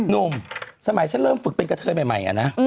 หนุ่มสมัยฉันเริ่มฝึกเป็นกระเทยใหม่อะนะ